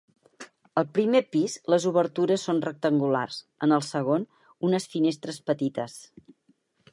Al primer pis les obertures són rectangulars; en el segon, unes finestres petites.